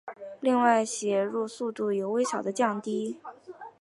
另外写入速度有微小的降低。